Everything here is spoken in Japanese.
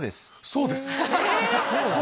「そうです」。